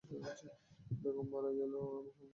বেগম মারা গেলে, মহল আপনার এই হবে।